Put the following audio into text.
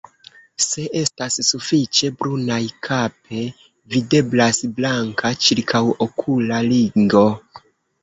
Se estas sufiĉe brunaj kape, videblas blanka ĉirkaŭokula ringo.